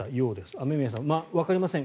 雨宮さん、わかりません